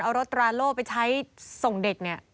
เอารถตราโล่ไปใช้ส่งเด็กเนี่ย